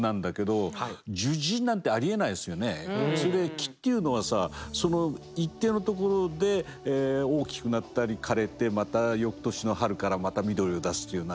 木っていうのはさ一定のところで大きくなったり枯れてまたよくとしの春からまた緑を出すというようなね